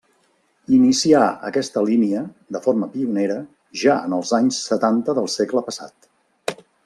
Inicià aquesta línia, de forma pionera, ja en els anys setanta del segle passat.